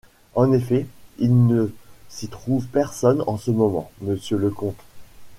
En effet… il ne s’y trouve personne en ce moment, monsieur le comte.